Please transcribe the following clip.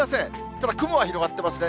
ただ、雲は広がってますね。